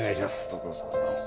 ご苦労さまです。